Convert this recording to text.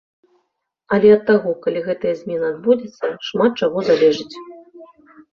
Але ад таго, калі гэтая змена адбудзецца, шмат чаго залежыць.